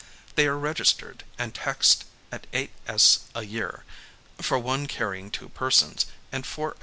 They are registered and taxed at 8s. a year for one carrying two persons, and 4s.